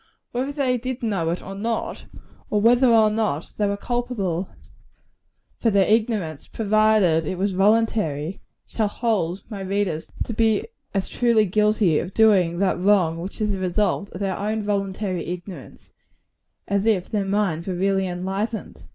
Whether they did know it or not or whether or not they were culpable for their ignorance, provided it was voluntary shall hold my readers to be as truly guilty of doing that wrong which is the result of their own voluntary ignorance, as if their minds were really enlightened.